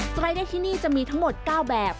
ไตรเดอร์ที่นี่จะมีทั้งหมด๙แบบ